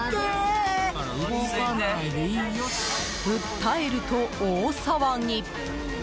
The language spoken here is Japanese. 訴えると大騒ぎ。